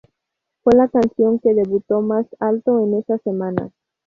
Fue la canción que debutó más alto en esa semana.